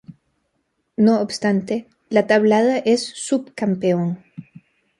No obstante, La Tablada es sub-campeón.